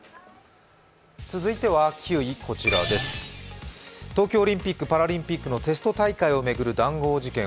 続いては９位、こちらです、東京オリンピック・パラリンピックのテスト大会を巡る談合事件。